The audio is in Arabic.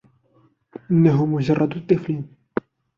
إنه مجرد طفل.